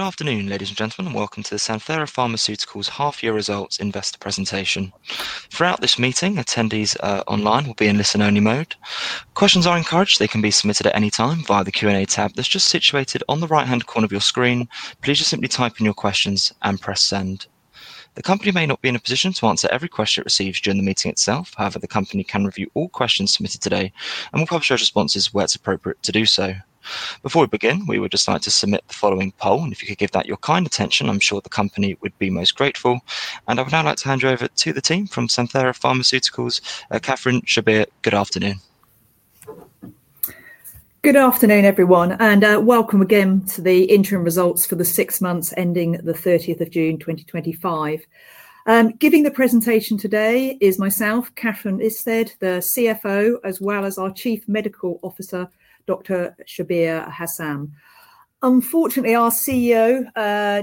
Good afternoon, ladies and gentlemen, and welcome to the Santhera Pharmaceuticals half-year results investor presentation. Throughout this meeting, attendees online will be in listen-only mode. Questions are encouraged, and they can be submitted at any time via the Q&A tab that's just situated on the right-hand corner of your screen. Please just simply type in your questions and press send. The company may not be in a position to answer every question it receives during the meeting itself. However, the company can review all questions submitted today and will publish our responses where it's appropriate to do so. Before we begin, we would just like to submit the following poll, and if you could give that your kind attention, I'm sure the company would be most grateful. I would now like to hand you over to the team from Santhera Pharmaceuticals, Catherine, Shabir, good afternoon. Good afternoon, everyone, and welcome again to the interim results for the six months ending the 30th of June 2025. Giving the presentation today is myself, Catherine Isted, the CFO, as well as our Chief Medical Officer, Dr. Shabir Hasham. Unfortunately, our CEO,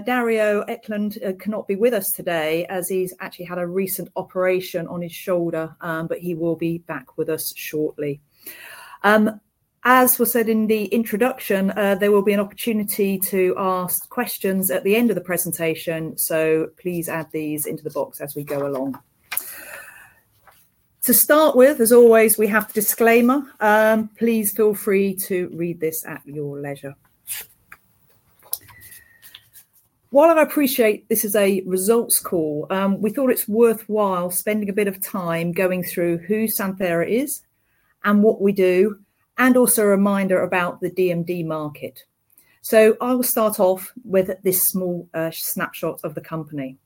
Dario Eklund, cannot be with us today as he's actually had a recent operation on his shoulder, but he will be back with us shortly. As was said in the introduction, there will be an opportunity to ask questions at the end of the presentation, so please add these into the box as we go along. To start with, as always, we have the disclaimer. Please feel free to read this at your leisure. While I appreciate this is a results call, we thought it's worthwhile spending a bit of time going through who Santhera Pharmaceuticals is and what we do, and also a reminder about the DMD market. I'll start off with this small snapshot of the company.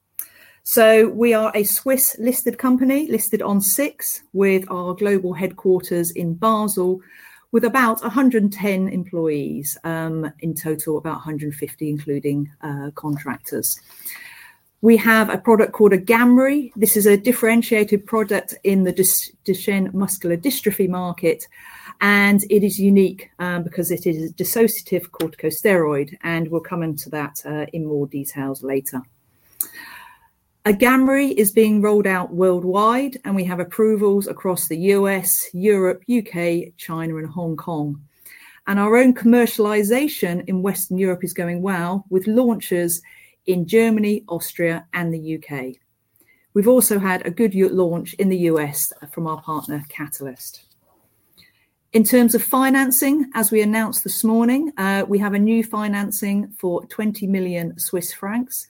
We are a Swiss-listed company listed on SIX Swiss Exchange with our global headquarters in Basel, with about 110 employees in total, about 150 including contractors. We have a product called AGAMREE. This is a differentiated product in the Duchenne muscular dystrophy market, and it is unique because it is a dissociative corticosteroid, and we'll come into that in more details later. AGAMREE is being rolled out worldwide, and we have approvals across the U.S., Europe, UK, China, and Hong Kong. Our own commercialization in Western Europe is going well with launches in Germany, Austria, and the UK. We've also had a good launch in the U.S. from our partner, Catalyst Pharmaceuticals. In terms of financing, as we announced this morning, we have a new financing for 20 million Swiss francs.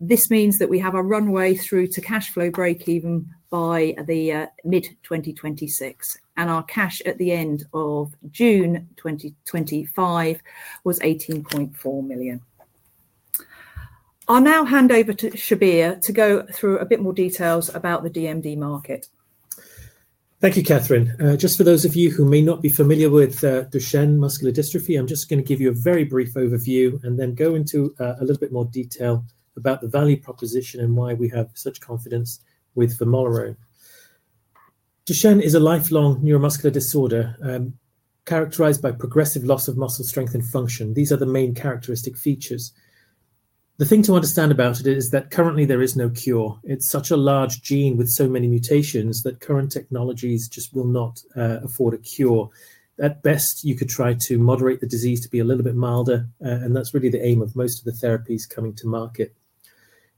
This means that we have a runway through to cash flow break-even by mid-2026 and our cash at the end of June 2025 was 18.4 million. I'll now hand over to Shabir to go through a bit more details about the DMD market. Thank you, Catherine. Just for those of you who may not be familiar with Duchenne muscular dystrophy, I'm just going to give you a very brief overview and then go into a little bit more detail about the value proposition and why we have such confidence with vamorolone. Duchenne is a lifelong neuromuscular disorder characterized by progressive loss of muscle strength and function. These are the main characteristic features. The thing to understand about it is that currently there is no cure. It's such a large gene with so many mutations that current technologies just will not afford a cure. At best, you could try to moderate the disease to be a little bit milder, and that's really the aim of most of the therapies coming to market.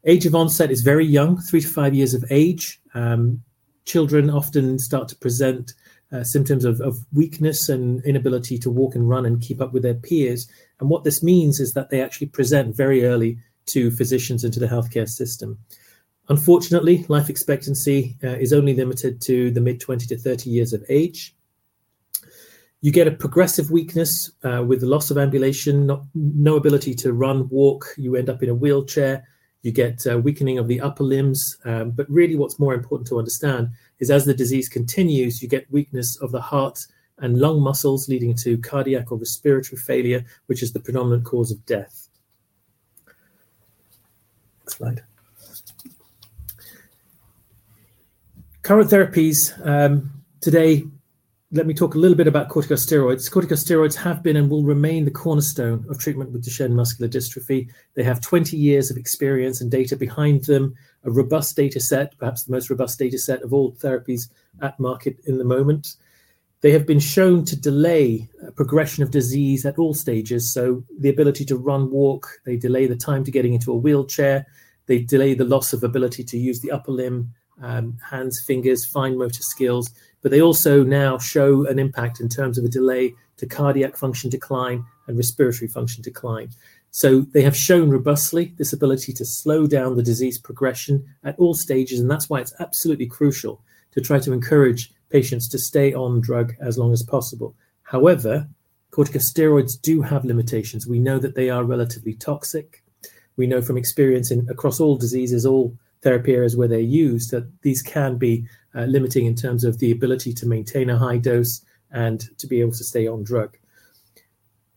Age of onset is very young, three to five years of age. Children often start to present symptoms of weakness and inability to walk and run and keep up with their peers. What this means is that they actually present very early to physicians and to the healthcare system. Unfortunately, life expectancy is only limited to the mid-20 to 30 years of age. You get a progressive weakness with the loss of ambulation, no ability to run, walk. You end up in a wheelchair. You get weakening of the upper limbs. What's more important to understand is as the disease continues, you get weakness of the heart and lung muscles leading to cardiac or respiratory failure, which is the predominant cause of death. Current therapies today, let me talk a little bit about corticosteroids. Corticosteroids have been and will remain the cornerstone of treatment with Duchenne muscular dystrophy. They have 20 years of experience and data behind them, a robust data set, perhaps the most robust data set of all therapies at market in the moment. They have been shown to delay progression of disease at all stages. The ability to run, walk, they delay the time to getting into a wheelchair. They delay the loss of ability to use the upper limb, hands, fingers, fine motor skills. They also now show an impact in terms of a delay to cardiac function decline and respiratory function decline. They have shown robustly this ability to slow down the disease progression at all stages. That's why it's absolutely crucial to try to encourage patients to stay on drug as long as possible. However, corticosteroids do have limitations. We know that they are relatively toxic. We know from experience across all diseases, all therapy areas where they're used, that these can be limiting in terms of the ability to maintain a high dose and to be able to stay on drug.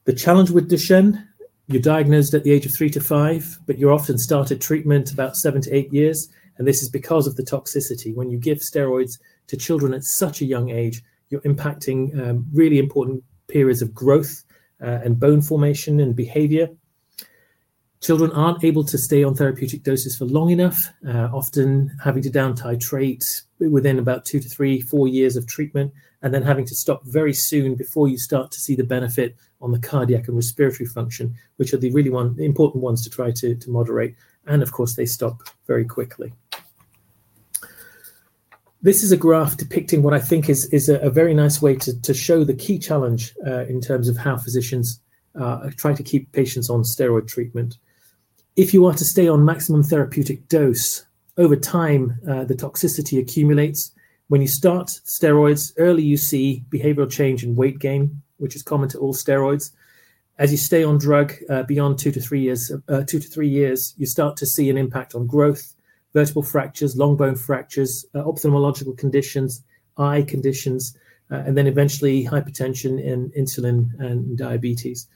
The challenge with Duchenne, you're diagnosed at the age of three to five, but you're often started treatment about seven to eight years. This is because of the toxicity. When you give steroids to children at such a young age, you're impacting really important periods of growth and bone formation and behavior. Children aren't able to stay on therapeutic doses for long enough, often having to down-titrate within about two to three, four years of treatment, and then having to stop very soon before you start to see the benefit on the cardiac and respiratory function, which are the really important ones to try to moderate. Of course, they stop very quickly. This is a graph depicting what I think is a very nice way to show the key challenge in terms of how physicians try to keep patients on steroid treatment. If you are to stay on maximum therapeutic dose, over time, the toxicity accumulates. When you start steroids early, you see behavioral change and weight gain, which is common to all steroids. As you stay on drug beyond two to three years, you start to see an impact on growth, vertebral fractures, long bone fractures, ophthalmological conditions, eye conditions, and then eventually hypertension, insulin, and diabetes.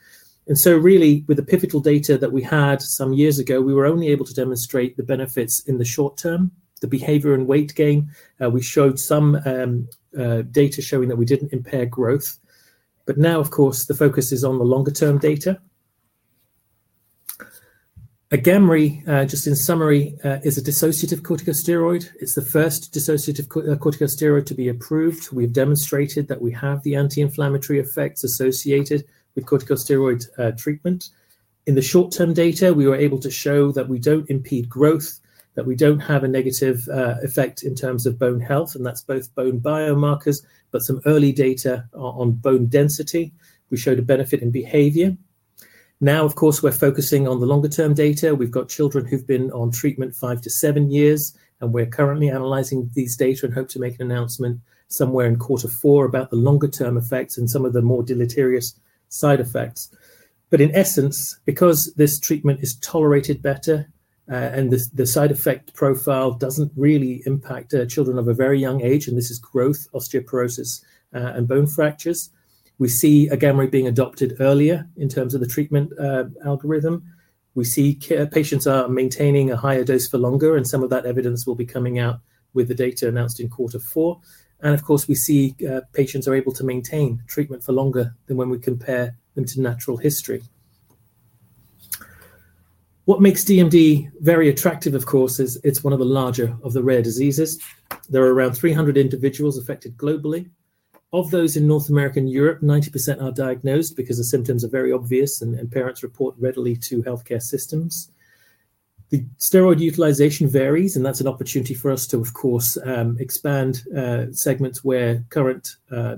With the pivotal data that we had some years ago, we were only able to demonstrate the benefits in the short term, the behavior and weight gain. We showed some data showing that we didn't impair growth. Now, of course, the focus is on the longer-term data. AGAMREE, just in summary, is a dissociative corticosteroid. It's the first dissociative corticosteroid to be approved. We've demonstrated that we have the anti-inflammatory effects associated with corticosteroid treatment. In the short-term data, we were able to show that we don't impede growth, that we don't have a negative effect in terms of bone health, and that's both bone biomarkers, but some early data on bone density. We showed a benefit in behavior. Now, of course, we're focusing on the longer-term data. We've got children who've been on treatment five to seven years, and we're currently analyzing these data and hope to make an announcement somewhere in quarter four about the longer-term effects and some of the more deleterious side effects. In essence, because this treatment is tolerated better and the side effect profile doesn't really impact children of a very young age, and this is growth, osteoporosis, and bone fractures, we see AGAMREE being adopted earlier in terms of the treatment algorithm. We see patients are maintaining a higher dose for longer, and some of that evidence will be coming out with the data announced in quarter four. Of course, we see patients are able to maintain treatment for longer than when we compare them to natural history. What makes Duchenne muscular dystrophy (DMD) very attractive, of course, is it's one of the larger of the rare diseases. There are around 300,000 individuals affected globally. Of those in North America and Europe, 90% are diagnosed because the symptoms are very obvious and parents report readily to healthcare systems. The steroid utilization varies, and that's an opportunity for us to, of course, expand segments where current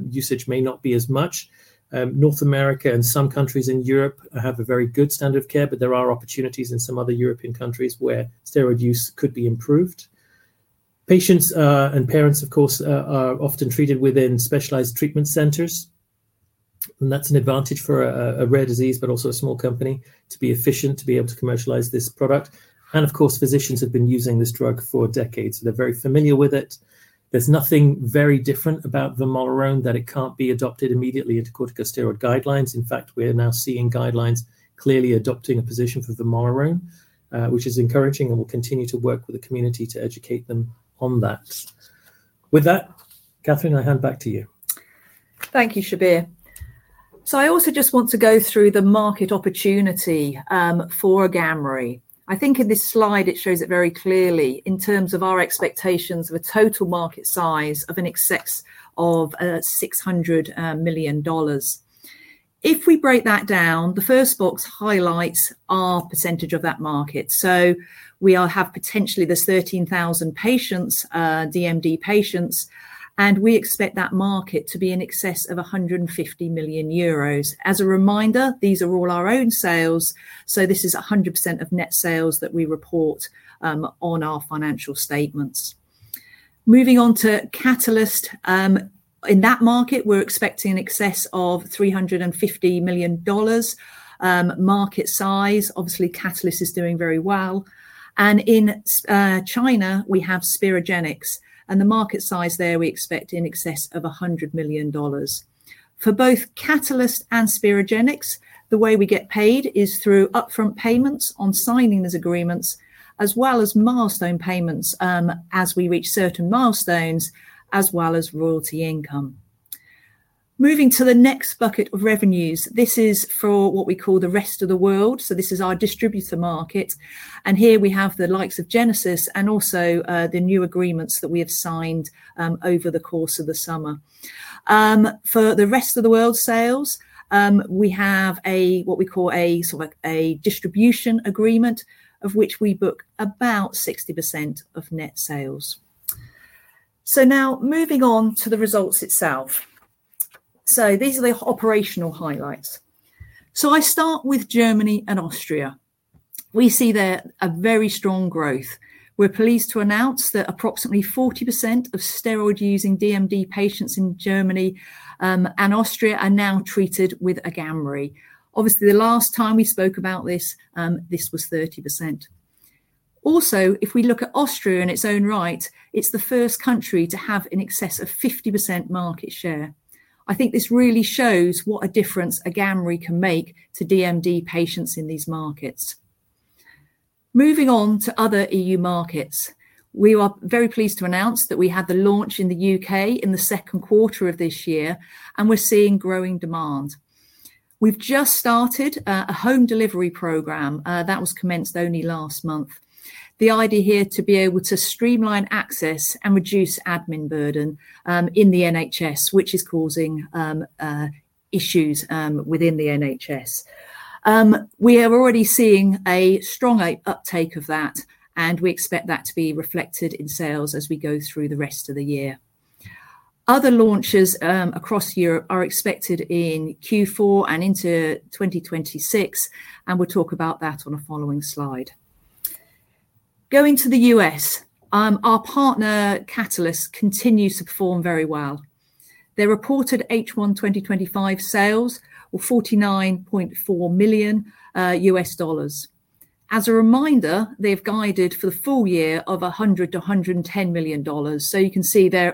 usage may not be as much. North America and some countries in Europe have a very good standard of care, but there are opportunities in some other European countries where steroid use could be improved. Patients and parents, of course, are often treated within specialized treatment centers. That's an advantage for a rare disease, but also a small company to be efficient, to be able to commercialize this product. Of course, physicians have been using this drug for decades. They're very familiar with it. There's nothing very different about vamorolone that it can't be adopted immediately into corticosteroid guidelines. In fact, we're now seeing guidelines clearly adopting a position for vamorolone, which is encouraging, and we'll continue to work with the community to educate them on that. With that, Catherine, I hand back to you. Thank you, Shabir. I also just want to go through the market opportunity for AGAMREE. I think in this slide, it shows it very clearly in terms of our expectations of a total market size of in excess of $600 million. If we break that down, the first box highlights our percentage of that market. We have potentially the 13,000 DMD patients, and we expect that market to be in excess of €150 million. As a reminder, these are all our own sales. This is 100% of net sales that we report on our financial statements. Moving on to Catalyst, in that market, we're expecting in excess of $350 million. Market size, obviously, Catalyst is doing very well. In China, we have Sperogenix, and the market size there we expect in excess of $100 million. For both Catalyst and Sperogenix, the way we get paid is through upfront payments on signing these agreements, as well as milestone payments as we reach certain milestones, as well as royalty income. Moving to the next bucket of revenues, this is for what we call the rest of the world. This is our distributor market. Here we have the likes of Genesis and also the new agreements that we have signed over the course of the summer. For the rest of the world sales, we have what we call a sort of a distribution agreement of which we book about 60% of net sales. Now moving on to the results itself. These are the operational highlights. I start with Germany and Austria. We see there a very strong growth. We're pleased to announce that approximately 40% of steroid-using DMD patients in Germany and Austria are now treated with AGAMREE. The last time we spoke about this, this was 30%. Also, if we look at Austria in its own right, it's the first country to have in excess of 50% market share. I think this really shows what a difference AGAMREE can make to DMD patients in these markets. Moving on to other EU markets, we are very pleased to announce that we had the launch in the UK in the second quarter of this year, and we're seeing growing demand. We've just started a home delivery program that was commenced only last month. The idea here is to be able to streamline access and reduce admin burden in the NHS, which is causing issues within the NHS. We are already seeing a strong uptake of that, and we expect that to be reflected in sales as we go through the rest of the year. Other launches across Europe are expected in Q4 and into 2026, and we'll talk about that on the following slide. Going to the U.S., our partner Catalyst Pharmaceuticals continues to perform very well. They reported H1 2025 sales of $49.4 million. As a reminder, they've guided for the full year of $100 to $110 million. You can see they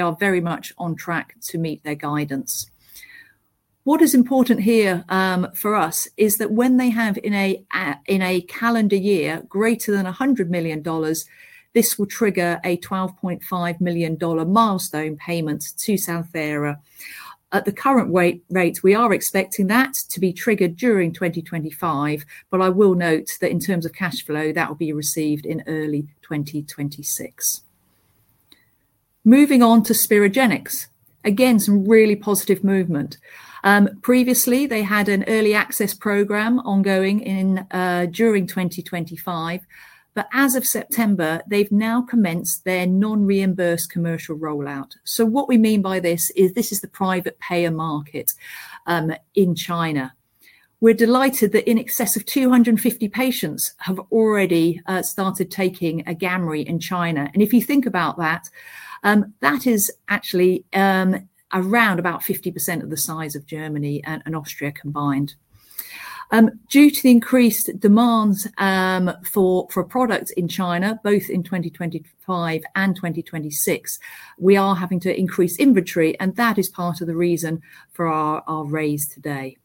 are very much on track to meet their guidance. What is important here for us is that when they have in a calendar year greater than $100 million, this will trigger a $12.5 million milestone payment to Santhera Pharmaceuticals. At the current rate, we are expecting that to be triggered during 2025. I will note that in terms of cash flow, that will be received in early 2026. Moving on to Sperogenix Therapeutics, again, some really positive movement. Previously, they had an early access program ongoing during 2025. As of September, they've now commenced their non-reimbursed commercial rollout. What we mean by this is this is the private payer market in China. We're delighted that in excess of 250 patients have already started taking AGAMREE in China. If you think about that, that is actually around about 50% of the size of Germany and Austria combined. Due to the increased demands for products in China, both in 2025 and 2026, we are having to increase inventory, and that is part of the reason for our raise today.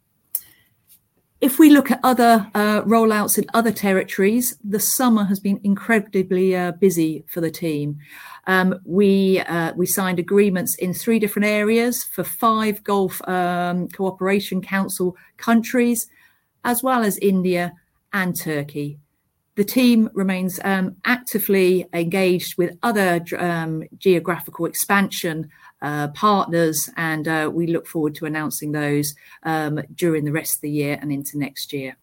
If we look at other rollouts in other territories, the summer has been incredibly busy for the team. We signed agreements in three different areas for five Gulf Cooperation Council countries, as well as India and Turkey. The team remains actively engaged with other geographical expansion partners, and we look forward to announcing those during the rest of the year and into next year.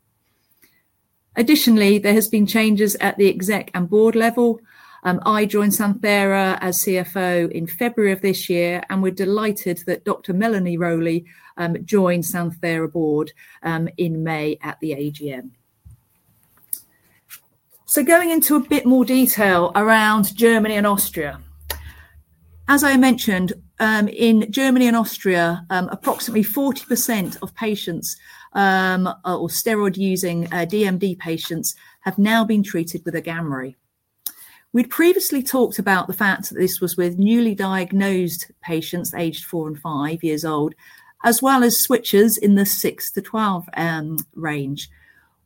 Additionally, there have been changes at the executive and board level. I joined Santhera Pharmaceuticals as CFO in February of this year, and we're delighted that Dr. Melanie Rowley joined the Santhera Pharmaceuticals board in May at the AGM. Going into a bit more detail around Germany and Austria, as I mentioned, in Germany and Austria, approximately 40% of patients or steroid-using DMD patients have now been treated with AGAMREE. We'd previously talked about the fact that this was with newly diagnosed patients aged four and five years old, as well as switches in the six to twelve range.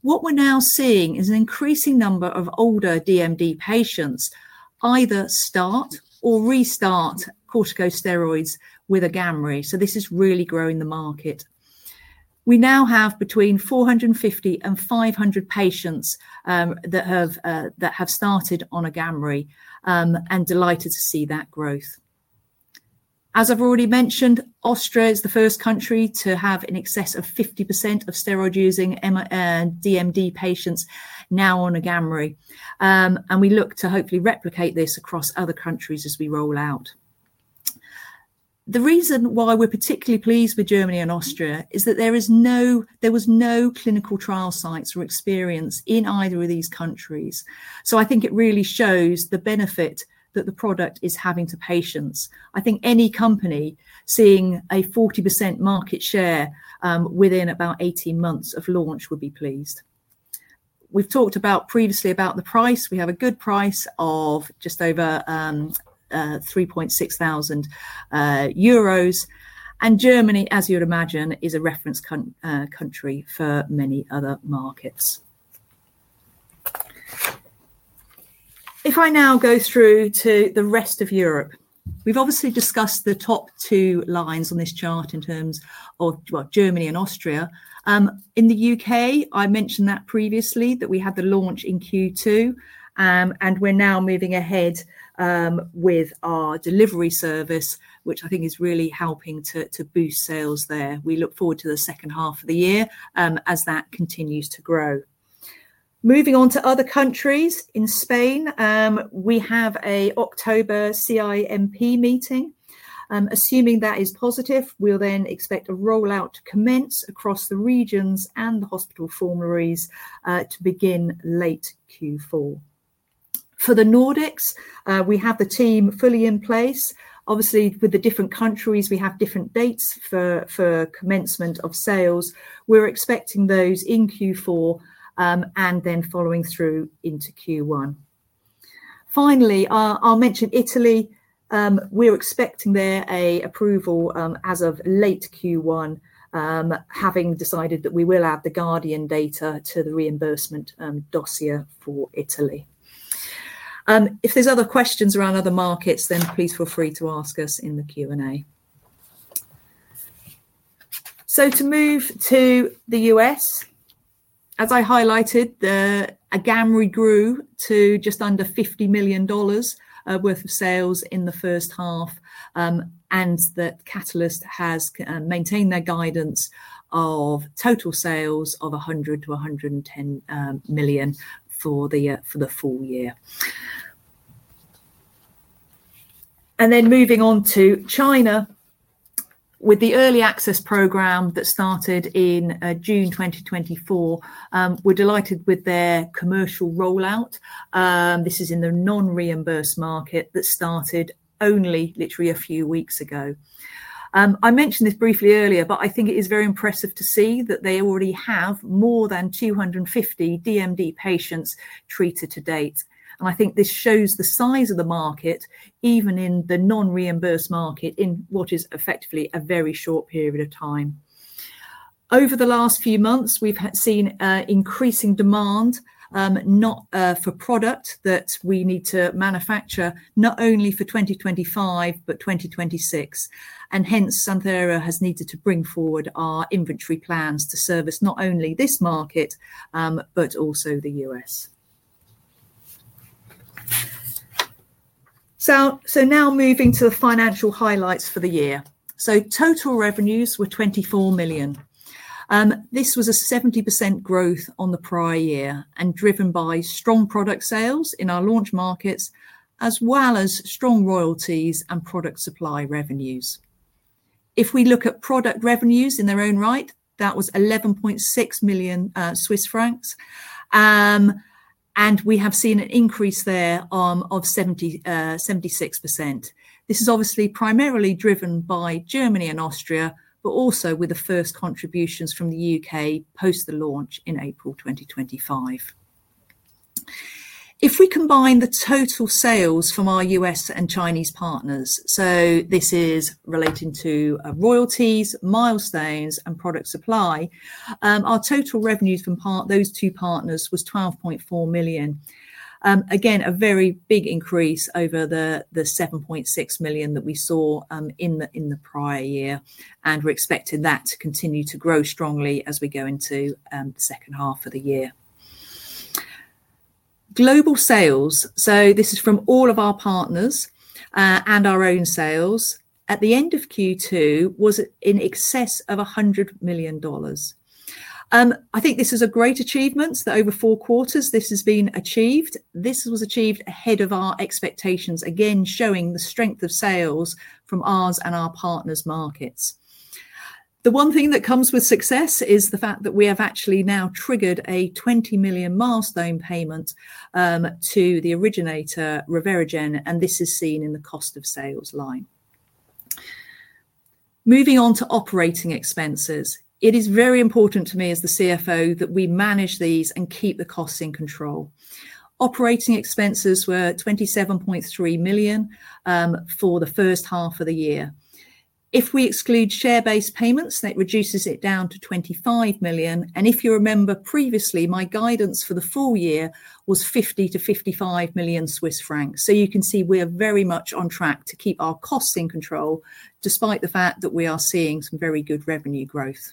What we're now seeing is an increasing number of older DMD patients either start or restart corticosteroids with AGAMREE. This is really growing the market. We now have between 450 and 500 patients that have started on AGAMREE and are delighted to see that growth. As I've already mentioned, Austria is the first country to have in excess of 50% of steroid-using DMD patients now on AGAMREE. We look to hopefully replicate this across other countries as we roll out. The reason why we're particularly pleased with Germany and Austria is that there were no clinical trial sites or experience in either of these countries. I think it really shows the benefit that the product is having to patients. I think any company seeing a 40% market share within about 18 months of launch would be pleased. We've talked previously about the price. We have a good price of just over €3,600. Germany, as you would imagine, is a reference country for many other markets. If I now go through to the rest of Europe, we've obviously discussed the top two lines on this chart in terms of Germany and Austria. In the UK, I mentioned that previously that we had the launch in Q2, and we're now moving ahead with our delivery service, which I think is really helping to boost sales there. We look forward to the second half of the year as that continues to grow. Moving on to other countries, in Spain, we have an October CIMP meeting. Assuming that is positive, we'll then expect a rollout to commence across the regions and the hospital formularies to begin late Q4. For the Nordics, we have the team fully in place. Obviously, with the different countries, we have different dates for commencement of sales. We're expecting those in Q4 and then following through into Q1. Finally, I'll mention Italy. We're expecting there an approval as of late Q1, having decided that we will add the GUARDIAN study data to the reimbursement dossier for Italy. If there are other questions around other markets, then please feel free to ask us in the Q&A. To move to the U.S., as I highlighted, AGAMREE grew to just under $50 million worth of sales in the first half, and Catalyst Pharmaceuticals has maintained their guidance of total sales of $100 to $110 million for the full year. Moving on to China, with the early access program that started in June 2024, we're delighted with their commercial rollout. This is in the non-reimbursed market that started only literally a few weeks ago. I mentioned this briefly earlier, but I think it is very impressive to see that they already have more than 250 DMD patients treated to date. I think this shows the size of the market, even in the non-reimbursed market, in what is effectively a very short period of time. Over the last few months, we've seen increasing demand, not for product that we need to manufacture, not only for 2025 but 2026. Hence, Santhera Pharmaceuticals has needed to bring forward our inventory plans to service not only this market, but also the U.S. Now moving to the financial highlights for the year. Total revenues were 24 million. This was a 70% growth on the prior year and driven by strong product sales in our launch markets, as well as strong royalties and product supply revenues. If we look at product revenues in their own right, that was 11.6 million Swiss francs, and we have seen an increase there of 76%. This is obviously primarily driven by Germany and Austria, but also with the first contributions from the UK post the launch in April 2025. If we combine the total sales from our U.S. and Chinese partners, so this is relating to royalties, milestones, and product supply, our total revenues from those two partners were 12.4 million. Again, a very big increase over the 7.6 million that we saw in the prior year, and we're expecting that to continue to grow strongly as we go into the second half of the year. Global sales, so this is from all of our partners and our own sales, at the end of Q2 was in excess of $100 million. I think this is a great achievement that over four quarters this has been achieved. This was achieved ahead of our expectations, again, showing the strength of sales from ours and our partners' markets. The one thing that comes with success is the fact that we have actually now triggered a 20 million milestone payment to the originator, ReveraGen, and this is seen in the cost of sales line. Moving on to operating expenses, it is very important to me as the CFO that we manage these and keep the costs in control. Operating expenses were 27.3 million for the first half of the year. If we exclude share-based payments, that reduces it down to 25 million. If you remember previously, my guidance for the full year was 50 to 55 million. You can see we are very much on track to keep our costs in control despite the fact that we are seeing some very good revenue growth.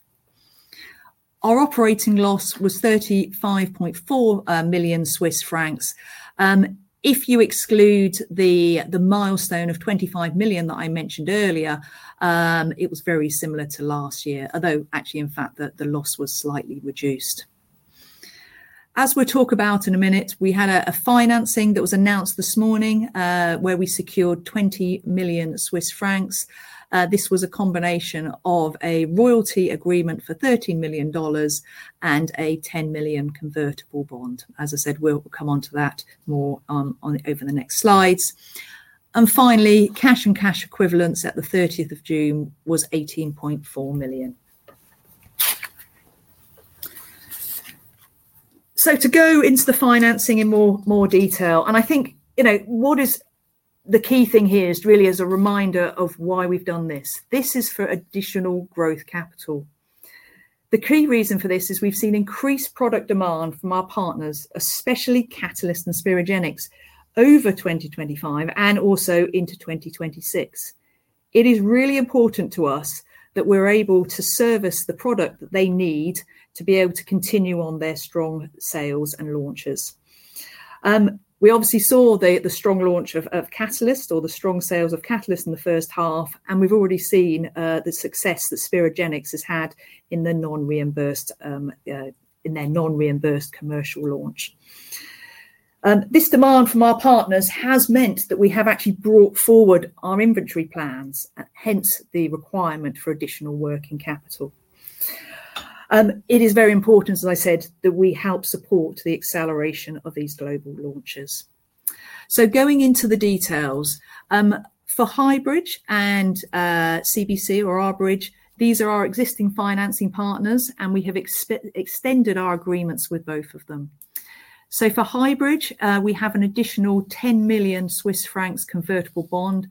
Our operating loss was 35.4 million Swiss francs. If you exclude the milestone of 25 million that I mentioned earlier, it was very similar to last year, although actually, in fact, the loss was slightly reduced. As we'll talk about in a minute, we had a financing that was announced this morning where we secured 20 million Swiss francs. This was a combination of a royalty agreement for $13 million and a $10 million convertible bond. As I said, we'll come onto that more over the next slides. Finally, cash and cash equivalents at the 30th of June were $18.4 million. To go into the financing in more detail, what is the key thing here is really as a reminder of why we've done this. This is for additional growth capital. The key reason for this is we've seen increased product demand from our partners, especially Catalyst Pharmaceuticals and Sperogenix Therapeutics, over 2025 and also into 2026. It is really important to us that we're able to service the product that they need to be able to continue on their strong sales and launches. We obviously saw the strong launch of Catalyst Pharmaceuticals or the strong sales of Catalyst Pharmaceuticals in the first half, and we've already seen the success that Sperogenix Therapeutics has had in their non-reimbursed commercial launch. This demand from our partners has meant that we have actually brought forward our inventory plans, hence the requirement for additional working capital. It is very important, as I said, that we help support the acceleration of these global launches. Going into the details, for Highbridge and Our Bridge, these are our existing financing partners, and we have extended our agreements with both of them. For Highbridge, we have an additional 10 million Swiss francs convertible bond.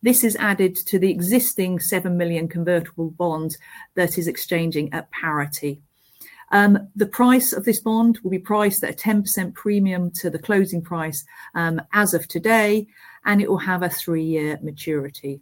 This is added to the existing 7 million convertible bond that is exchanging at parity. The price of this bond will be priced at a 10% premium to the closing price as of today, and it will have a three-year maturity.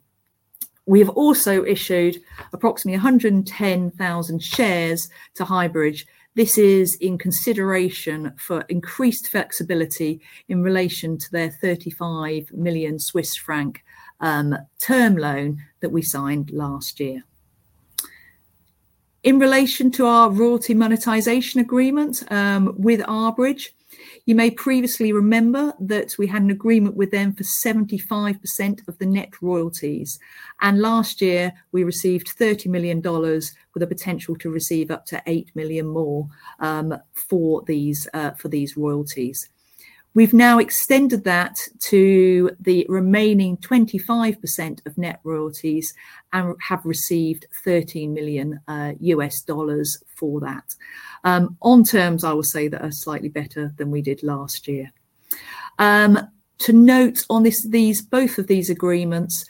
We have also issued approximately 110,000 shares to Highbridge. This is in consideration for increased flexibility in relation to their 35 million Swiss franc term loan that we signed last year. In relation to our royalty monetization agreement with Our Bridge, you may previously remember that we had an agreement with them for 75% of the net royalties. Last year, we received $30 million with a potential to receive up to $8 million more for these royalties. We've now extended that to the remaining 25% of net royalties and have received $13 million for that, on terms I will say that are slightly better than we did last year. To note on both of these agreements,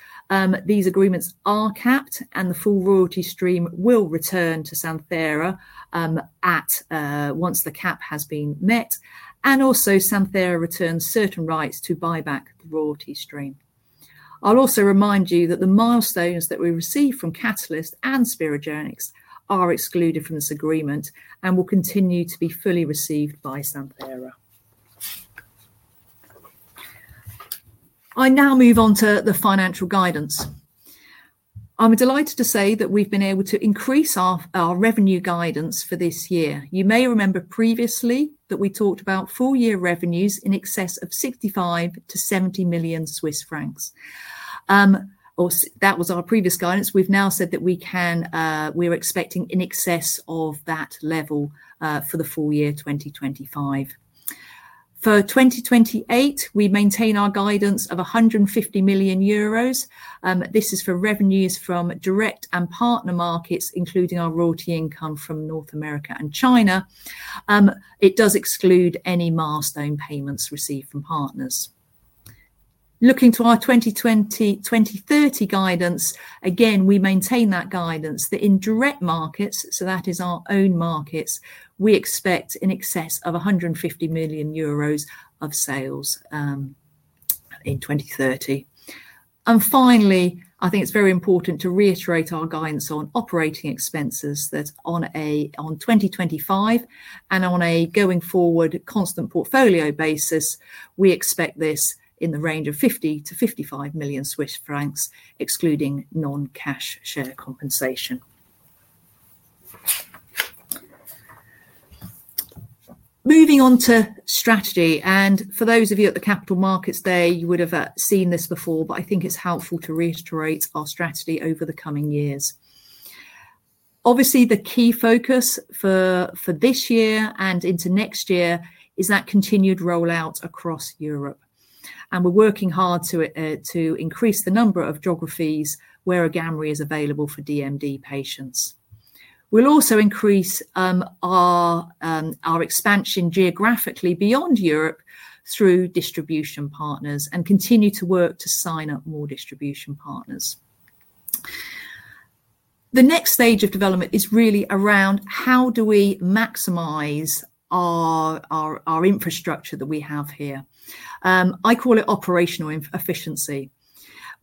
these agreements are capped, and the full royalty stream will return to Santhera Pharmaceuticals once the cap has been met. Santhera Pharmaceuticals also retains certain rights to buy back the royalty stream. I'll also remind you that the milestones that we received from Catalyst Pharmaceuticals and Sperogenix Therapeutics are excluded from this agreement and will continue to be fully received by Santhera Pharmaceuticals. I now move on to the financial guidance. I'm delighted to say that we've been able to increase our revenue guidance for this year. You may remember previously that we talked about full-year revenues in excess of 65 to 70 million. That was our previous guidance. We've now said that we are expecting in excess of that level for the full year 2025. For 2028, we maintain our guidance of €150 million. This is for revenues from direct and partner markets, including our royalty income from North America and China. It does exclude any milestone payments received from partners. Looking to our 2020-2030 guidance, again, we maintain that guidance that in direct markets, so that is our own markets, we expect in excess of €150 million of sales in 2030. Finally, I think it's very important to reiterate our guidance on operating expenses that on a 2025 and on a going-forward constant portfolio basis, we expect this in the range of 50 to 55 million, excluding non-cash share compensation. Moving on to strategy, and for those of you at the Capital Markets Day, you would have seen this before, but I think it's helpful to reiterate our strategy over the coming years. Obviously, the key focus for this year and into next year is that continued rollout across Europe. We're working hard to increase the number of geographies where AGAMREE is available for DMD patients. We'll also increase our expansion geographically beyond Europe through distribution partners and continue to work to sign up more distribution partners. The next stage of development is really around how do we maximize our infrastructure that we have here. I call it operational efficiency.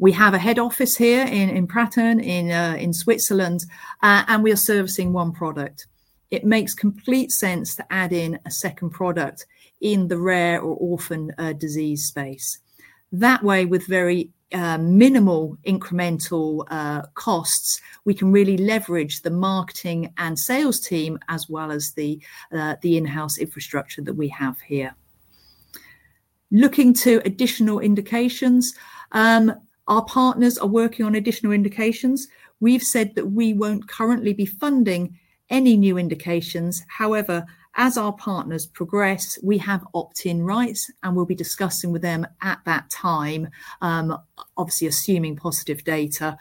We have a head office here in Pratteln, in Switzerland, and we are servicing one product. It makes complete sense to add in a second product in the rare or orphan disease space. That way, with very minimal incremental costs, we can really leverage the marketing and sales team, as well as the in-house infrastructure that we have here. Looking to additional indications, our partners are working on additional indications. We've said that we won't currently be funding any new indications. However, as our partners progress, we have opt-in rights, and we'll be discussing with them at that time, obviously assuming positive data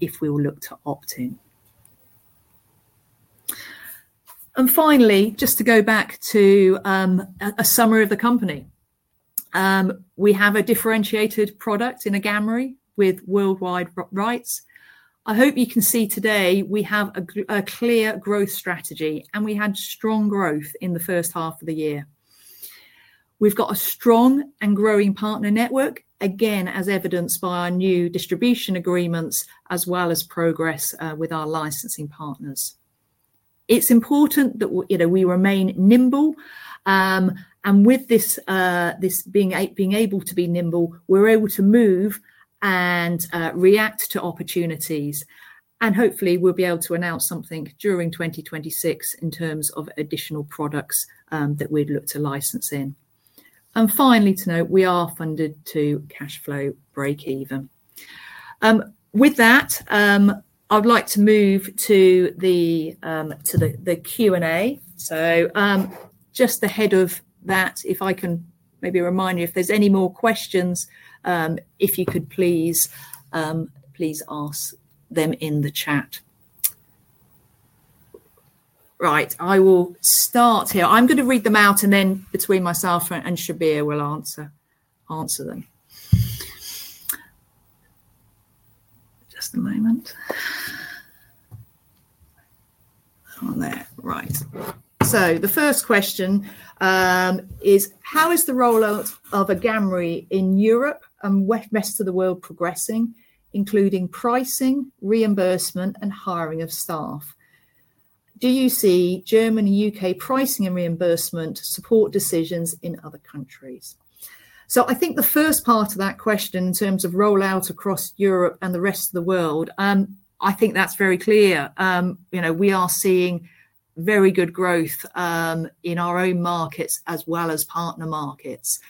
if we will look to opt in. Finally, just to go back to a summary of the company, we have a differentiated product in AGAMREE with worldwide rights. I hope you can see today we have a clear growth strategy, and we had strong growth in the first half of the year. We've got a strong and growing partner network, again, as evidenced by our new distribution agreements, as well as progress with our licensing partners. It's important that we remain nimble. With this, being able to be nimble, we're able to move and react to opportunities. Hopefully, we'll be able to announce something during 2026 in terms of additional products that we'd look to license in. Finally, to note, we are funded to cash flow break-even. With that, I'd like to move to the Q&A. Just ahead of that, if I can maybe remind you, if there's any more questions, if you could please ask them in the chat. Right, I will start here. I'm going to read them out, and then between myself and Shabir, we'll answer them. Just a moment. On there, right. The first question is, how is the rollout of AGAMREE in Europe and the rest of the world progressing, including pricing, reimbursement, and hiring of staff? Do you see Germany and UK pricing and reimbursement support decisions in other countries? I think the first part of that question in terms of rollout across Europe and the rest of the world, I think that's very clear. We are seeing very good growth in our own markets, as well as partner markets.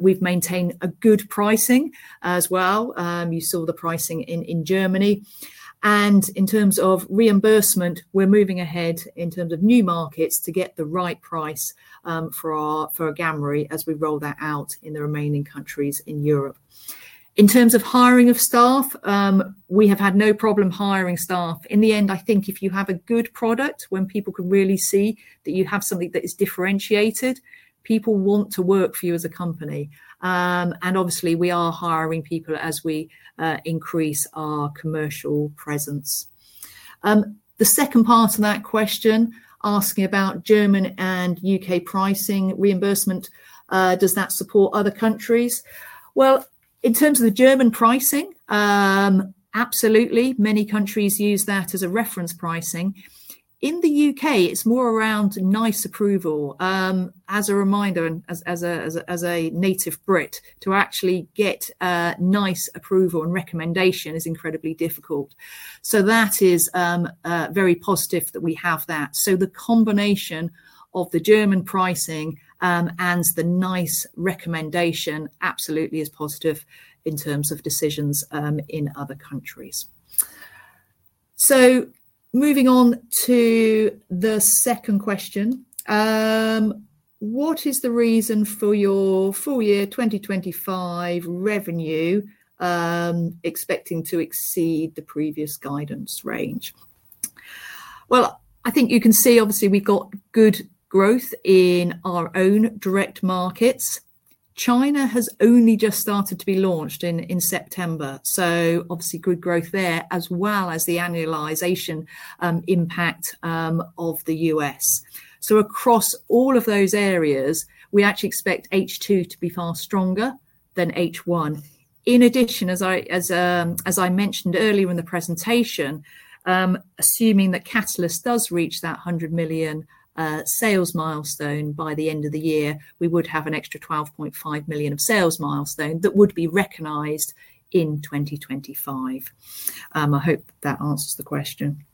We've maintained a good pricing as well. You saw the pricing in Germany. In terms of reimbursement, we're moving ahead in terms of new markets to get the right price for AGAMREE as we roll that out in the remaining countries in Europe. In terms of hiring of staff, we have had no problem hiring staff. In the end, I think if you have a good product, when people can really see that you have something that is differentiated, people want to work for you as a company. Obviously, we are hiring people as we increase our commercial presence. The second part of that question, asking about German and UK pricing reimbursement, does that support other countries? In terms of the German pricing, absolutely, many countries use that as a reference pricing. In the UK, it's more around NICE approval. As a reminder, as a native Brit, to actually get NICE approval and recommendation is incredibly difficult. That is very positive that we have that. The combination of the German pricing and the NICE recommendation absolutely is positive in terms of decisions in other countries. Moving on to the second question, what is the reason for your full year 2025 revenue expecting to exceed the previous guidance range? I think you can see, obviously, we've got good growth in our own direct markets. China has only just started to be launched in September. Obviously, good growth there, as well as the annualization impact of the U.S. Across all of those areas, we actually expect H2 to be far stronger than H1. In addition, as I mentioned earlier in the presentation, assuming that Catalyst does reach that $100 million sales milestone by the end of the year, we would have an extra $12.5 million of sales milestone that would be recognized in 2025. I hope that answers the question.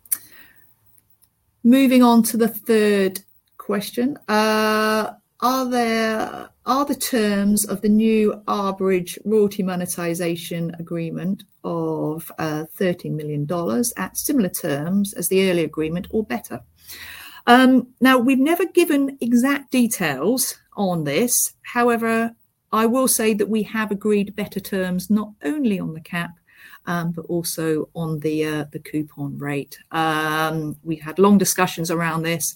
Moving on to the third question, are the terms of the new Our Bridge royalty monetization agreement of $13 million at similar terms as the early agreement or better? We've never given exact details on this. However, I will say that we have agreed better terms not only on the cap, but also on the coupon rate. We've had long discussions around this,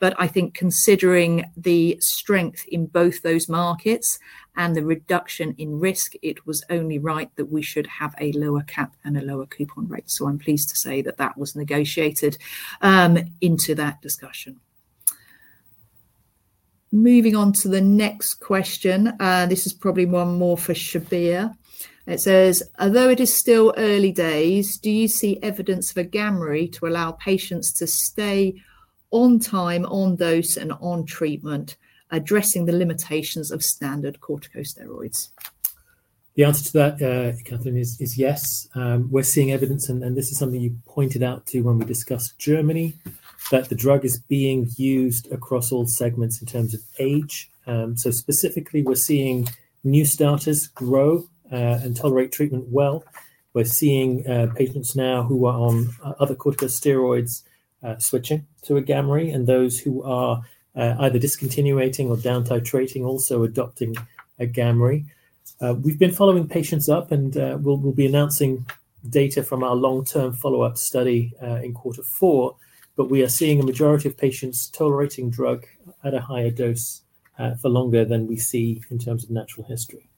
but I think considering the strength in both those markets and the reduction in risk, it was only right that we should have a lower cap and a lower coupon rate. I'm pleased to say that that was negotiated into that discussion. Moving on to the next question, this is probably one more for Shabir. It says, although it is still early days, do you see evidence of AGAMREE to allow patients to stay on time, on dose, and on treatment, addressing the limitations of standard corticosteroids? The answer to that, Catherine, is yes. We're seeing evidence, and this is something you pointed out to when we discussed Germany, that the drug is being used across all segments in terms of age. Specifically, we're seeing new starters grow and tolerate treatment well. We're seeing patients now who are on other corticosteroids switching to AGAMREE, and those who are either discontinuing or down-titrating also adopting AGAMREE. We've been following patients up, and we'll be announcing data from our long-term follow-up study in quarter four, but we are seeing a majority of patients tolerating drug at a higher dose for longer than we see in terms of natural history.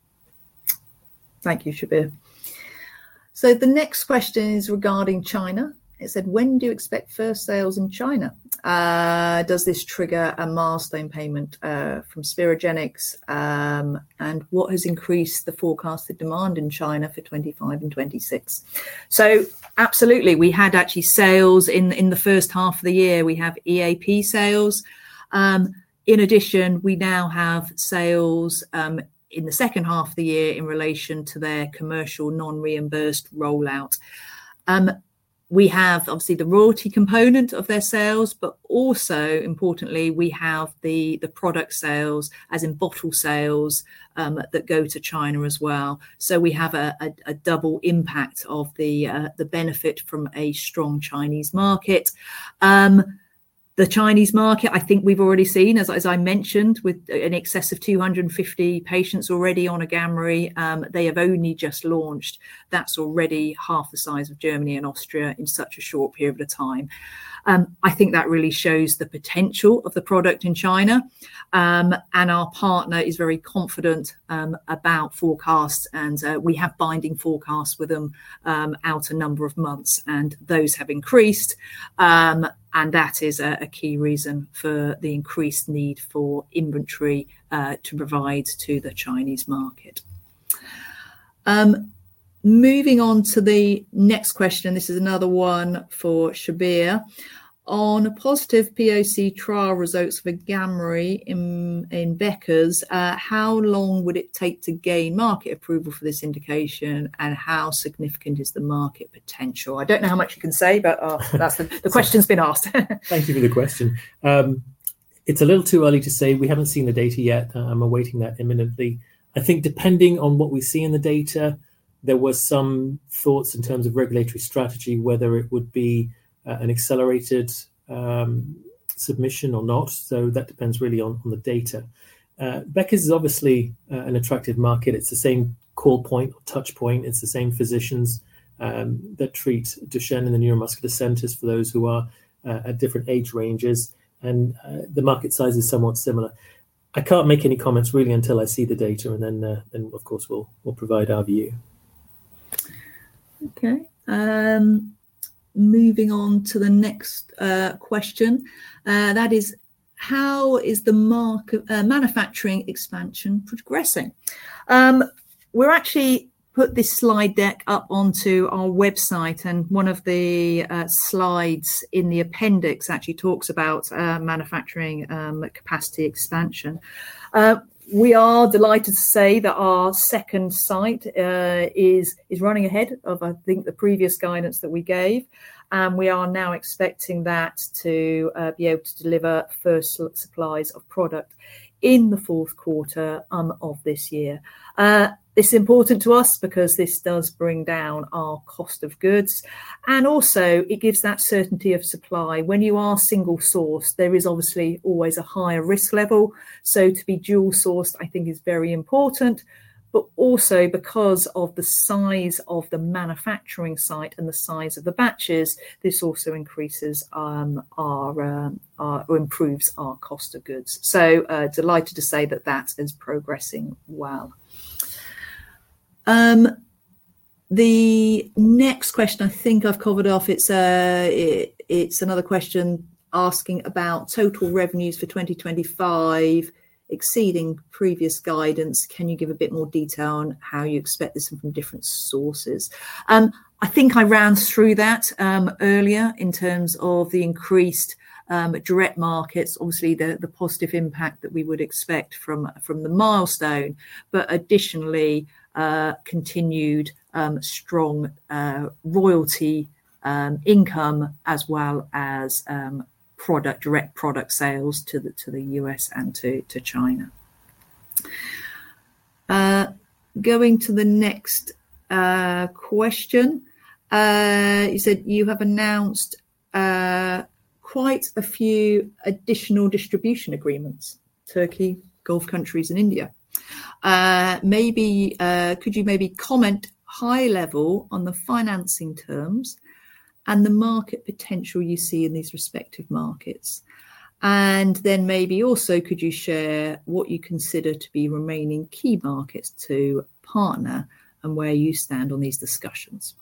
Thank you, Shabir. The next question is regarding China. It said, when do you expect first sales in China? Does this trigger a milestone payment from Sperogenix? And what has increased the forecasted demand in China for 2025 and 2026? Absolutely, we had actually sales in the first half of the year. We have EAP sales. In addition, we now have sales in the second half of the year in relation to their commercial non-reimbursed rollout. We have obviously the royalty component of their sales, but also importantly, we have the product sales, as in bottle sales, that go to China as well. We have a double impact of the benefit from a strong Chinese market. The Chinese market, I think we've already seen, as I mentioned, with an excess of 250 patients already on AGAMREE, they have only just launched. That's already half the size of Germany and Austria in such a short period of time. I think that really shows the potential of the product in China. Our partner is very confident about forecasts, and we have binding forecasts with them out a number of months, and those have increased. That is a key reason for the increased need for inventory to provide to the Chinese market. Moving on to the next question, this is another one for Shabir. On positive POC trial results for AGAMREE in Becker's, how long would it take to gain market approval for this indication, and how significant is the market potential? I don't know how much you can say, but the question's been asked. Thank you for the question. It's a little too early to say. We haven't seen the data yet. I'm awaiting that imminently. I think depending on what we see in the data, there were some thoughts in terms of regulatory strategy, whether it would be an accelerated submission or not. That depends really on the data. Becker's is obviously an attractive market. It's the same call point, touch point. It's the same physicians that treat Duchenne in the neuromuscular centers for those who are at different age ranges. The market size is somewhat similar. I can't make any comments really until I see the data, and then, of course, we'll provide our view. Okay. Moving on to the next question. That is, how is the market manufacturing expansion progressing? We've actually put this slide deck up onto our website, and one of the slides in the appendix actually talks about manufacturing capacity expansion. We are delighted to say that our second site is running ahead of, I think, the previous guidance that we gave. We are now expecting that to be able to deliver first supplies of product in the fourth quarter of this year. It's important to us because this does bring down our cost of goods. It also gives that certainty of supply. When you are single sourced, there is obviously always a higher risk level. To be dual sourced, I think, is very important. Also, because of the size of the manufacturing site and the size of the batches, this also increases or improves our cost of goods. Delighted to say that that is progressing well. The next question, I think I've covered off. It's another question asking about total revenues for 2025 exceeding previous guidance. Can you give a bit more detail on how you expect this from different sources? I think I ran through that earlier in terms of the increased direct markets, obviously the positive impact that we would expect from the milestone, but additionally, continued strong royalty income as well as direct product sales to the U.S. and to China. Going to the next question, you said you have announced quite a few additional distribution agreements, Turkey, Gulf Cooperation Council countries, and India. Could you maybe comment high level on the financing terms and the market potential you see in these respective markets? Could you share what you consider to be remaining key markets to partner and where you stand on these discussions?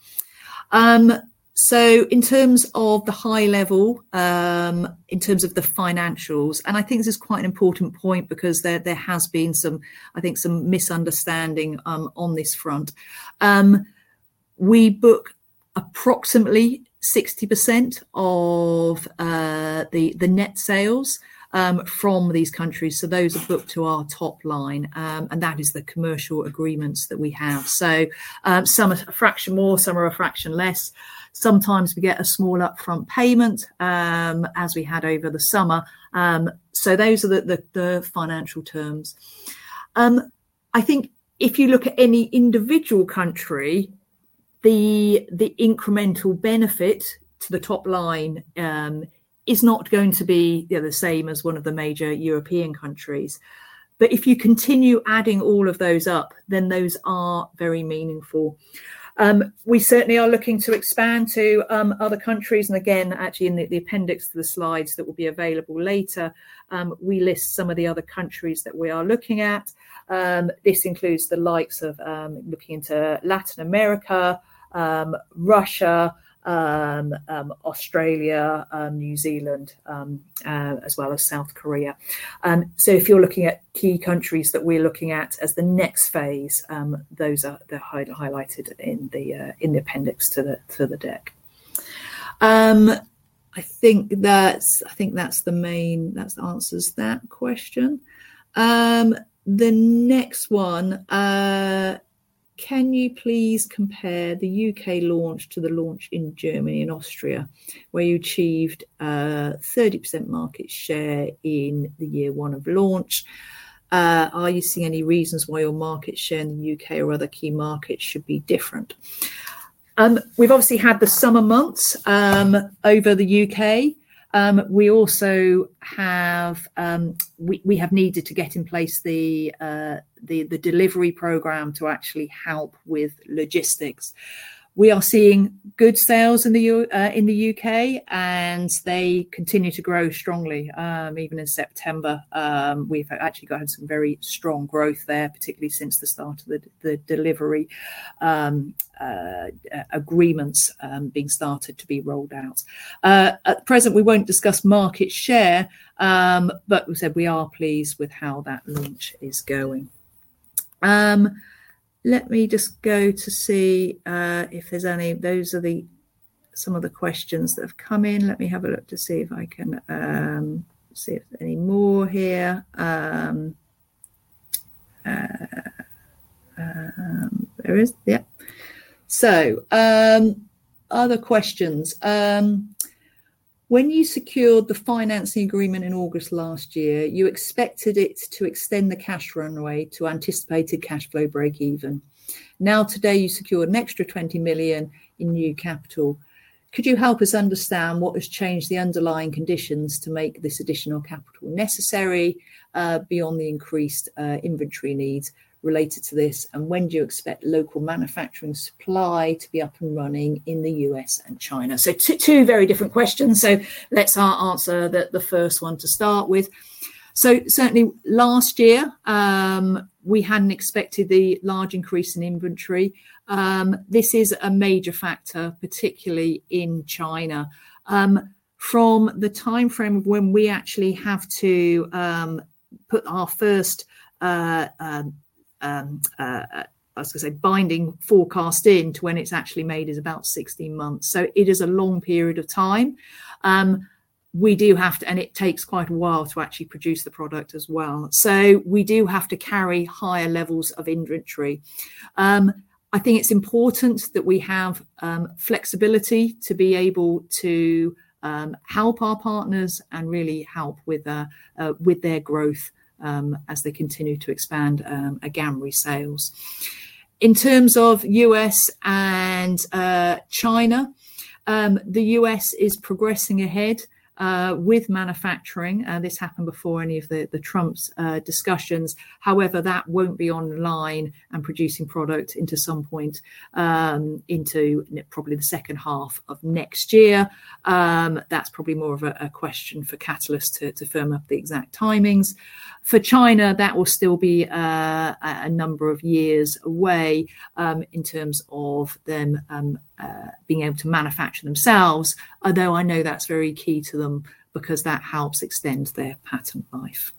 In terms of the high level, in terms of the financials, and I think this is quite an important point because there has been some, I think, some misunderstanding on this front. We book approximately 60% of the net sales from these countries. Those are booked to our top line, and that is the commercial agreements that we have. Some are a fraction more, some are a fraction less. Sometimes we get a small upfront payment, as we had over the summer. Those are the financial terms. If you look at any individual country, the incremental benefit to the top line is not going to be the same as one of the major European countries. If you continue adding all of those up, then those are very meaningful. We certainly are looking to expand to other countries. Actually, in the appendix to the slides that will be available later, we list some of the other countries that we are looking at. This includes the likes of looking into Latin America, Russia, Australia, New Zealand, as well as South Korea. If you're looking at key countries that we're looking at as the next phase, those are highlighted in the appendix to the deck. I think that answers that question. The next one, can you please compare the UK launch to the launch in Germany and Austria, where you achieved 30% market share in the year one of launch? Are you seeing any reasons why your market share in the UK or other key markets should be different? We've obviously had the summer months over the UK. We also have needed to get in place the delivery program to actually help with logistics. We are seeing good sales in the UK, and they continue to grow strongly even in September. We've actually got some very strong growth there, particularly since the start of the delivery agreements being started to be rolled out. At present, we won't discuss market share, but we said we are pleased with how that launch is going. Let me just go to see if there's any. Those are some of the questions that have come in. Let me have a look to see if I can see if any more here. There is. Other questions. When you secured the financing agreement in August last year, you expected it to extend the cash runway to anticipated cash flow break-even. Now, today, you secure an extra $20 million in new capital. Could you help us understand what has changed the underlying conditions to make this additional capital necessary beyond the increased inventory needs related to this, and when do you expect local manufacturing supply to be up and running in the US and China? Two very different questions. Let's answer the first one to start with. Certainly, last year, we hadn't expected the large increase in inventory. This is a major factor, particularly in China. From the timeframe of when we actually have to put our first, I was going to say, binding forecast in to when it's actually made is about 16 months. It is a long period of time. We do have to, and it takes quite a while to actually produce the product as well. We do have to carry higher levels of inventory. I think it's important that we have flexibility to be able to help our partners and really help with their growth as they continue to expand AGAMREE sales. In terms of U.S. and China, the U.S. is progressing ahead with manufacturing. This happened before any of the Trump's discussions. However, that won't be online and producing product until some point into probably the second half of next year. That's probably more of a question for Catalyst to firm up the exact timings. For China, that will still be a number of years away in terms of them being able to manufacture themselves, although I know that's very key to them because that helps extend their patent life.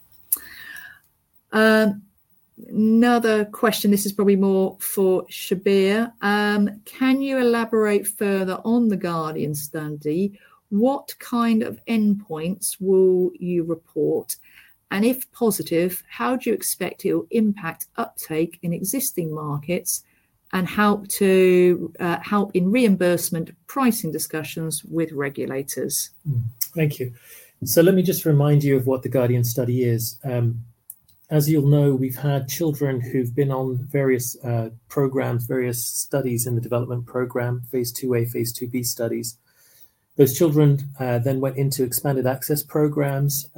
Another question, this is probably more for Shabir. Can you elaborate further on the GUARDIAN study? What kind of endpoints will you report? If positive, how do you expect it will impact uptake in existing markets and help in reimbursement pricing discussions with regulators? Thank you. Let me just remind you of what the GUARDIAN study is. As you'll know, we've had children who've been on various programs, various studies in the development program, Phase 2A, Phase 2B studies. Those children then went into expanded access programs.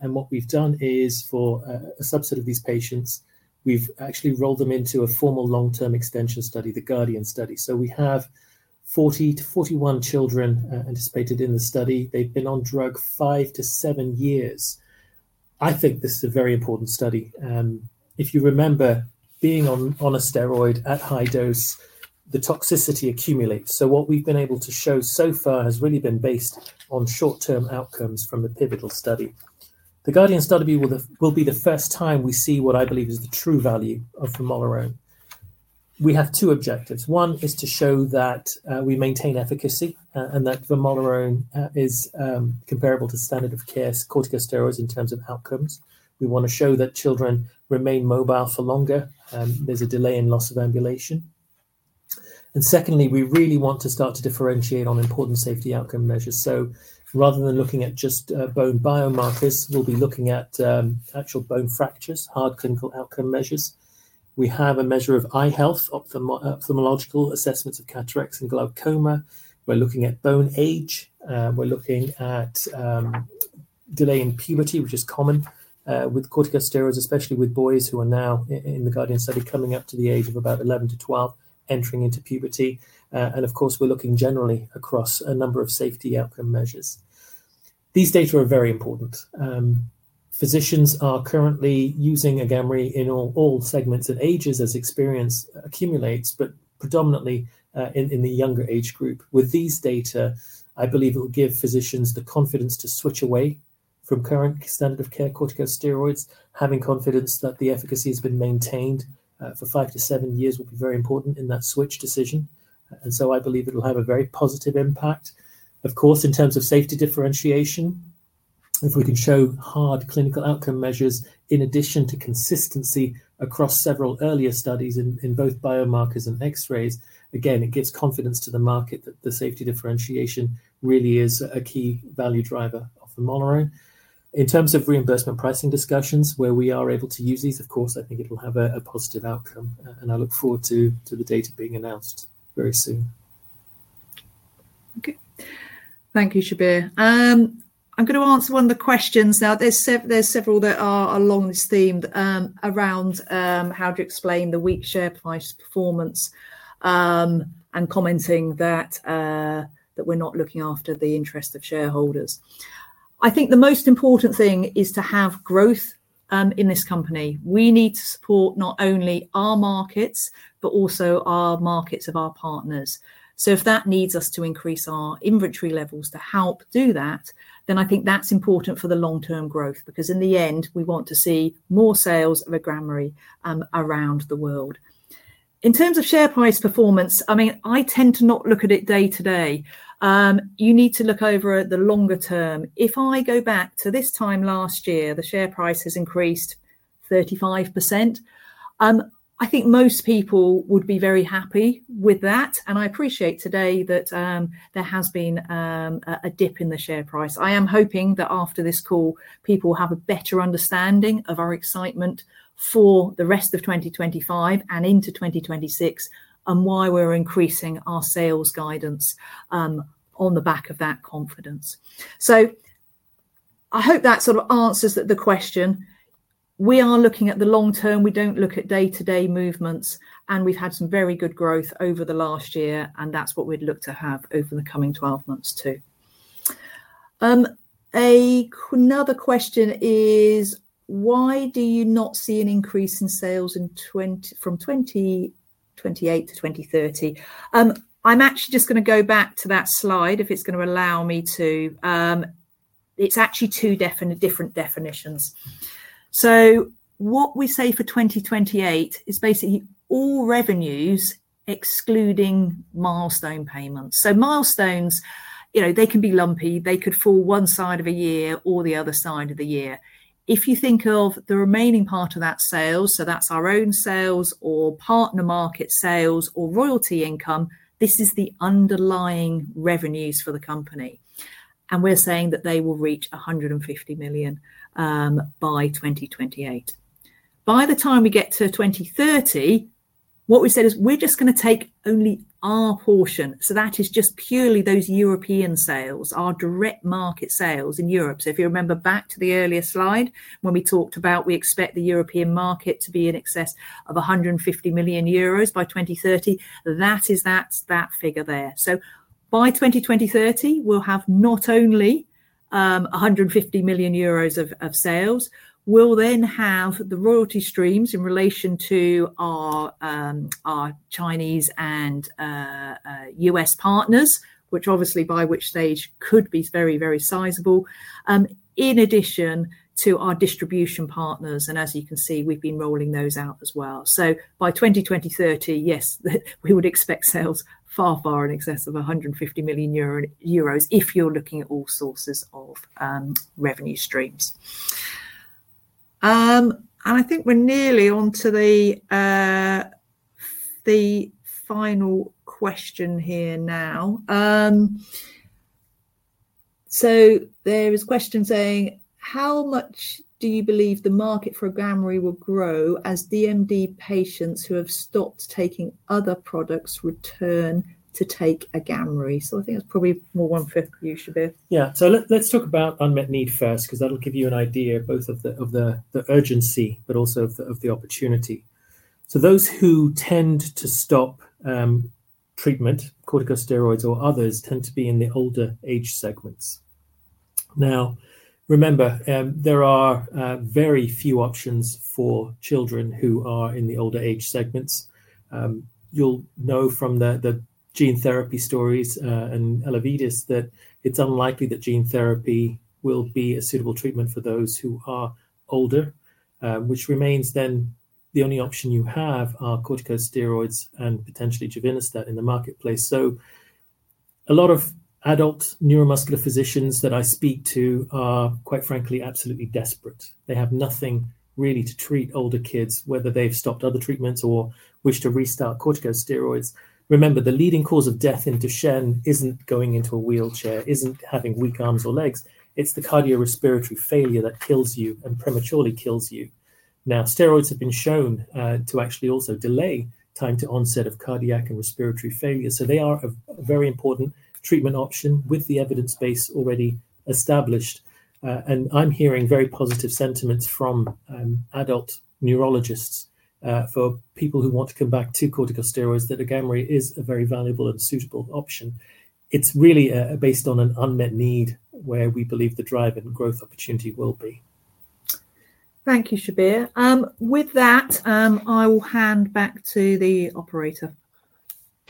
What we've done is for a subset of these patients, we've actually rolled them into a formal long-term extension study, the GUARDIAN study. We have 40 to 41 children anticipated in the study. They've been on drug five to seven years. I think this is a very important study. If you remember, being on a steroid at high dose, the toxicity accumulates. What we've been able to show so far has really been based on short-term outcomes from the pivotal study. The GUARDIAN study will be the first time we see what I believe is the true value of vamorolone. We have two objectives. One is to show that we maintain efficacy and that vamorolone is comparable to standard of care corticosteroids in terms of outcomes. We want to show that children remain mobile for longer and there's a delay in loss of ambulation. Secondly, we really want to start to differentiate on important safety outcome measures. Rather than looking at just bone biomarkers, we'll be looking at actual bone fractures, hard clinical outcome measures. We have a measure of eye health, ophthalmological assessments of cataracts and glaucoma. We're looking at bone age. We're looking at delay in puberty, which is common with corticosteroids, especially with boys who are now in the GUARDIAN study coming up to the age of about 11 to 12 entering into puberty. Of course, we're looking generally across a number of safety outcome measures. These data are very important. Physicians are currently using AGAMREE in all segments and ages as experience accumulates, but predominantly in the younger age group. With these data, I believe it will give physicians the confidence to switch away from current standard of care corticosteroids. Having confidence that the efficacy has been maintained for five to seven years will be very important in that switch decision. I believe it will have a very positive impact. Of course, in terms of safety differentiation, if we can show hard clinical outcome measures in addition to consistency across several earlier studies in both biomarkers and X-rays, it gives confidence to the market that the safety differentiation really is a key value driver of vamorolone. In terms of reimbursement pricing discussions, where we are able to use these, I think it will have a positive outcome. I look forward to the data being announced very soon. Okay. Thank you, Shabir. I'm going to answer one of the questions. Now, there's several that are long-esteemed around how to explain the weak share price performance and commenting that we're not looking after the interest of shareholders. I think the most important thing is to have growth in this company. We need to support not only our markets, but also our markets of our partners. If that needs us to increase our inventory levels to help do that, then I think that's important for the long-term growth because in the end, we want to see more sales of AGAMREE around the world. In terms of share price performance, I tend to not look at it day-to-day. You need to look over at the longer term. If I go back to this time last year, the share price has increased 35%. I think most people would be very happy with that. I appreciate today that there has been a dip in the share price. I am hoping that after this call, people have a better understanding of our excitement for the rest of 2025 and into 2026 and why we're increasing our sales guidance on the back of that confidence. I hope that sort of answers the question. We are looking at the long term. We don't look at day-to-day movements. We've had some very good growth over the last year. That's what we'd look to have over the coming 12 months too. Another question is, why do you not see an increase in sales from 2028 to 2030? I'm actually just going to go back to that slide if it's going to allow me to. It's actually two different definitions. What we say for 2028 is basically all revenues excluding milestone payments. Milestones, you know, they can be lumpy. They could fall one side of a year or the other side of the year. If you think of the remaining part of that sale, that's our own sales or partner market sales or royalty income, this is the underlying revenues for the company. We're saying that they will reach $150 million by 2028. By the time we get to 2030, what we said is we're just going to take only our portion. That is just purely those European sales, our direct market sales in Europe. If you remember back to the earlier slide when we talked about we expect the European market to be in excess of €150 million by 2030, that is that figure there. By 2030, we'll have not only €150 million of sales. We'll then have the royalty streams in relation to our Chinese and U.S. partners, which obviously by which stage could be very, very sizable, in addition to our distribution partners. As you can see, we've been rolling those out as well. By 2030, yes, we would expect sales far, far in excess of €150 million if you're looking at all sources of revenue streams. I think we're nearly on to the final question here now. There is a question saying, how much do you believe the market for AGAMREE will grow as DMD patients who have stopped taking other products return to take AGAMREE? I think it's probably more one for you, Shabir. Yeah. Let's talk about unmet need first because that'll give you an idea both of the urgency, but also of the opportunity. Those who tend to stop treatment, corticosteroids or others, tend to be in the older age segments. Now, remember, there are very few options for children who are in the older age segments. You'll know from the gene therapy stories and Allevatus that it's unlikely that gene therapy will be a suitable treatment for those who are older, which means then the only option you have are corticosteroids and potentially Juvenastat in the marketplace. A lot of adult neuromuscular physicians that I speak to are, quite frankly, absolutely desperate. They have nothing really to treat older kids, whether they've stopped other treatments or wish to restart corticosteroids. The leading cause of death in Duchenne isn't going into a wheelchair, isn't having weak arms or legs. It's the cardiorespiratory failure that kills you and prematurely kills you. Steroids have been shown to actually also delay time to onset of cardiac and respiratory failure. They are a very important treatment option with the evidence base already established. I'm hearing very positive sentiments from adult neurologists for people who want to come back to corticosteroids that AGAMREE is a very valuable and suitable option. It's really based on an unmet need where we believe the drive and growth opportunity will be. Thank you, Shabir. With that, I will hand back to the operator. Perfect. Catherine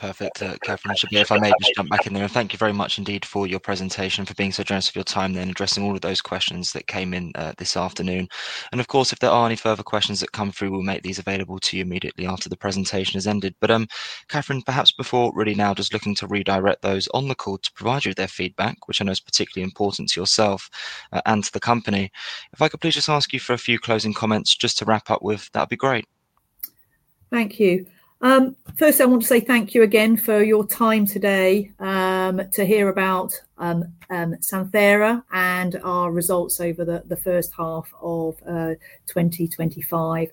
and Shabir, if I may just jump back in there, thank you very much indeed for your presentation, for being so generous with your time and addressing all of those questions that came in this afternoon. If there are any further questions that come through, we'll make these available to you immediately after the presentation has ended. Catherine, perhaps before really now, just looking to redirect those on the call to provide you with their feedback, which I know is particularly important to yourself and to the company. If I could please just ask you for a few closing comments just to wrap up with, that would be great. Thank you. First, I want to say thank you again for your time today to hear about Santhera Pharmaceuticals and our results over the first half of 2025.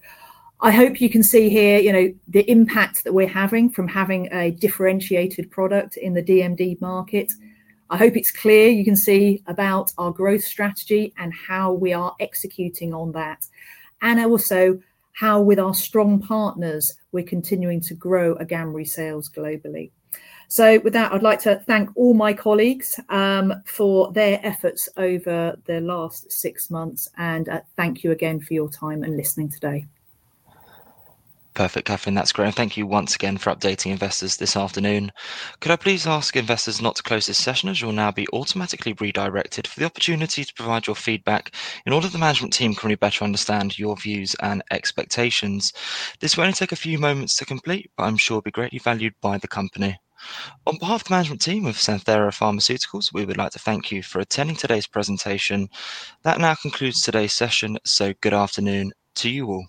I hope you can see here the impact that we're having from having a differentiated product in the DMD market. I hope it's clear you can see about our growth strategy and how we are executing on that. Also, with our strong partners, we're continuing to grow AGAMREE sales globally. With that, I'd like to thank all my colleagues for their efforts over the last six months. Thank you again for your time and listening today. Perfect, Catherine. That's great. Thank you once again for updating investors this afternoon. Could I please ask investors not to close this session as you'll now be automatically redirected for the opportunity to provide your feedback in order for the management team to better understand your views and expectations. This will only take a few moments to complete, but I'm sure it'll be greatly valued by the company. On behalf of the management team of Santhera Pharmaceuticals, we would like to thank you for attending today's presentation. That now concludes today's session. Good afternoon to you all.